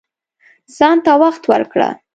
ځان ته وخت ورکړه